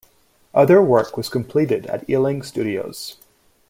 Other work was completed at Ealing studios.